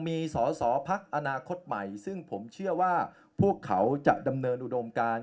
มีสอสอพักอนาคตใหม่ซึ่งผมเชื่อว่าพวกเขาจะดำเนินอุดมการ